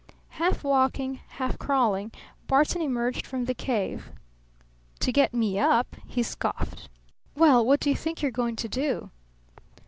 Half walking, half crawling, Barton emerged from the cave. "To get me up?" he scoffed. "Well, what do you think you're going to do?"